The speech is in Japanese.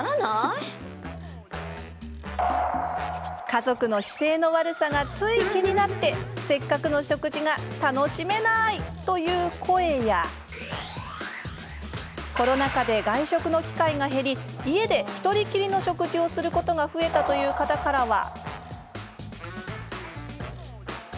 家族の姿勢の悪さがつい気になってせっかくの食事が楽しめないという声やコロナ禍で外食の機会が減り家でひとりきりの食事をすることが増えたという方からは。